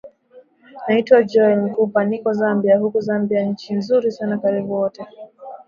naitwa joel mkupa niko zambia huku zambia nchi nzuri sana karibuni wote